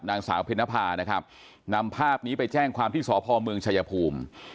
นางสาวเพ็ญนภานะครับนำภาพนี้ไปแจ้งความที่สพเมืองชายภูมิ